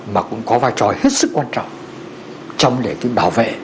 mà cũng có vai trò hết sức quan trọng trong lễ tự bảo vệ